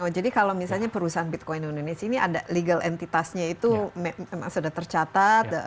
jadi kalau misalnya perusahaan bitcoin indonesia ini ada legal entitasnya itu memang sudah tercatat